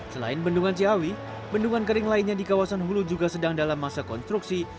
selain bendungan ciawi bendungan kering lainnya di kawasan hulu juga sedang dalam masa konstruksi